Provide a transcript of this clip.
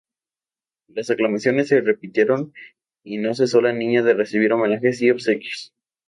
Las aclamaciones se repitieron, y no cesó la niña de recibir homenajes y obsequios.